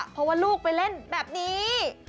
เพราะว่าลูกไปเล่นแบบนี้